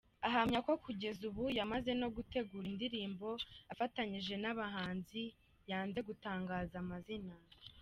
Ahamya ko kugeza ubu yamaze no gutegura indirimbo afatanyije n'abahazi yanze gutangaza amazina.